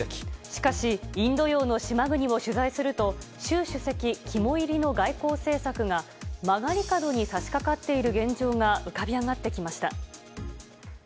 しかし、インド洋の島国を取材すると、習主席肝煎りの外交政策が、曲がり角にさしかかっている現状が浮かび上がってきました。